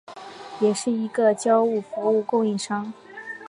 也是一个交易服务供应商。